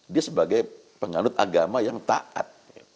dia sebagai penganut agama yang taat